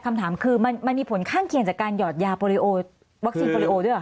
คำถามคือมันมีผลข้างเคียงจากการหยอดยาโปรลิโอวัคซีนโปรลิโอด้วยค